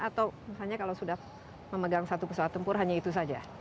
atau misalnya kalau sudah memegang satu pesawat tempur hanya itu saja